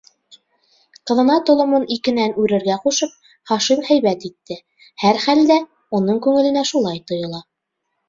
Ҡыҙына толомон икенән үрергә ҡушып, Хашим һәйбәт итте. һәр хәлдә, уның күңеленә шулай тойола.